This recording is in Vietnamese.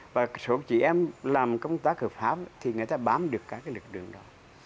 và số chị em làm công tác hợp pháp thì người ta bám được các lực đường đó